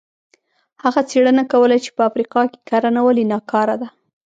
هغه څېړنه کوله چې په افریقا کې کرنه ولې ناکاره ده.